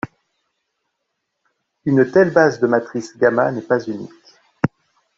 Une telle base de matrices gamma n'est pas unique.